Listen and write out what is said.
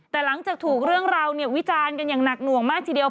แต่หลังจากถูกเรื่องราววิจารณ์กันอย่างหนักหน่วงมากทีเดียว